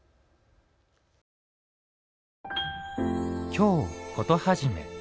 「京コトはじめ」